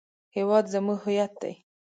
هېواد زموږ هویت دی